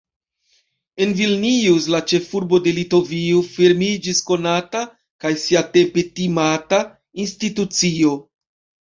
En Vilnius, la ĉefurbo de Litovio, fermiĝis konata – kaj siatempe timata – institucio.